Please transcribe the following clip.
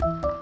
ya udah deh